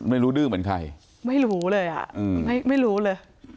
ไม่รู้ดื้อเหมือนใครไม่รู้เลยอ่ะไม่รู้เลย